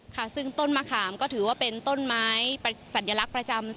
ค่ะซึ่งต้นมะขามก็ถือว่าเป็นต้นไม้สัญลักษณ์ประจำ